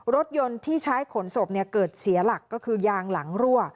รถยนต์ที่ใช้ขนศพเกิดเสียหลักก็คือยางหลังรั่ว